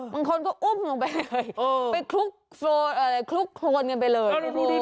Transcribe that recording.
บางคนก็อุ้มลงไปเลยไปคลุกโครนกันไปเลย